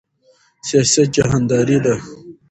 سیاست جهانداری ده